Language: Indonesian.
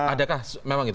adakah memang itu